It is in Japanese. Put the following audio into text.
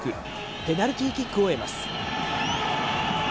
ペナルティーキックを得ます。